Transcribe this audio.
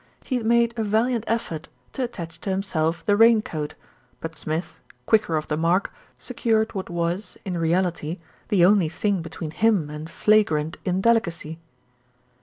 He had made a valiant effort to attach to himself the rain coat; but Smith, quicker off the mark, secured what was, in reality, the only thing between him and flagrant indelicacy.